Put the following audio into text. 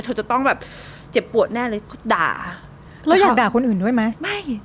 เธอจะต้องแบบเจ็บปวดแน่เลยด่าแล้วอยากด่าคนอื่นด้วยไหมไม่